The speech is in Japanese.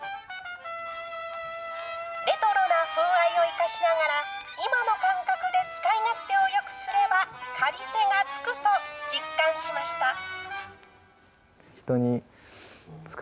レトロな風合いを生かしながら今の感覚で使い勝手をよくすれば借り手がつくと実感しました。